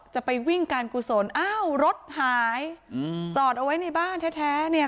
จะไปวิ่งการกุศลอ้าวรถหายจอดเอาไว้ในบ้านแท้เนี่ย